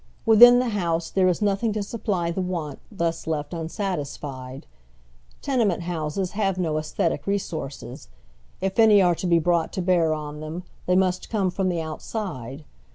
Within the house there is nothing to supply the want thus ieft unsatisfied. Tenement houses have no jesthetie resources. If any are to be brought to bear on them, they must come from the outside.